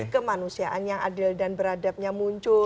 kemanusiaan yang adil dan beradabnya muncul